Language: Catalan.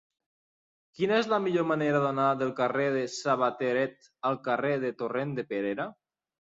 Quina és la millor manera d'anar del carrer del Sabateret al carrer del Torrent de Perera?